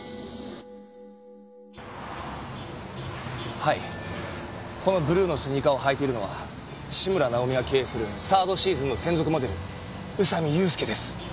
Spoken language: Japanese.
はいこのブルーのスニーカーを履いているのは志村尚美が経営するサードシーズンの専属モデル宇佐美祐介です。